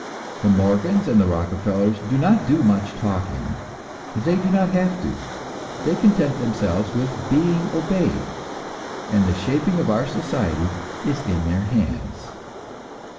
The Morgans and the Rockefellers do not do much talking; they do not have to. They content themselves with being obeyed, and the shaping of our society is in their hands.